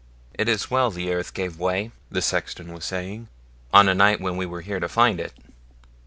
'It is well the earth gave way', the sexton was saying, 'on a night when we were here to find it.